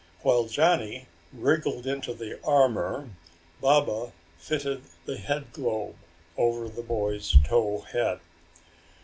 While Johnny wriggled into the armor Baba fitted the headglobe over the boy's tow head.